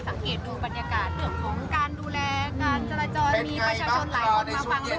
เรื่องของการดูแลการจรภัย